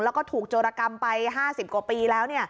แล้วก็ถูกโจรกรรมไป๕๐กว่าปีแล้ว